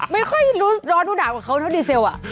ไม่ค่อยรอดูหนักกว่าเขานะดีเซลอะ